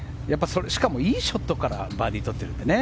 しかもいいショットからバーディー取ってるのでね。